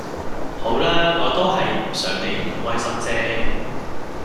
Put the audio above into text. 好啦我都係唔想你唔開心啫